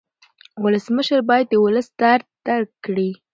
ولسمشر باید د ولس درد درک کړي.